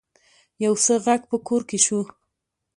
يو څه غږ په کور کې شو.